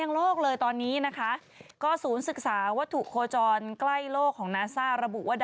นางคิดแบบว่าไม่ไหวแล้วไปกด